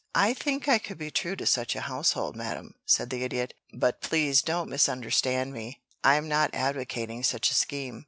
"I think I could be true to such a household, madame," said the Idiot, "but please don't misunderstand me. I'm not advocating such a scheme.